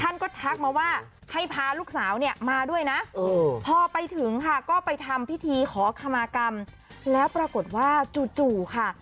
ท่านก็ทักมาว่าให้พาลูกสาวเนี่ยมาด้วยนะพอไปถึงค่ะก็ไปทำพิธีขอขมากรรมแล้วปรากฏว่าจู่ค่ะ